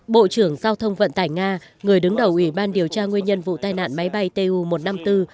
bộ trưởng giao thông vận tải nga người đứng đầu ủy ban điều tra nguyên nhân vụ tai nạn máy bay tu một trăm năm mươi bốn